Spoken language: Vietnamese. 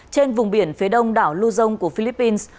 trên vùng biển phía đông đảo luzon của philippines